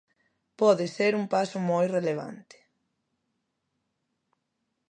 Pode ser un paso moi relevante.